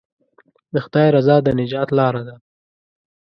د خدای رضا د نجات لاره ده.